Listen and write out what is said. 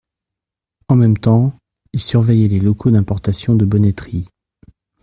En même temps, ils surveillaient les locaux d’importation de bonneterie.